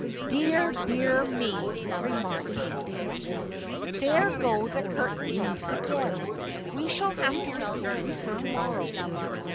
"Dear, dear me," remarked King Ticket. "There go the curtain ropes again. We shall have to repair them tomorrow."